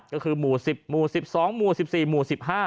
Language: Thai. ก็คือหมู่๑๐หมู่๑๒หมู่๑๔หมู่๑๕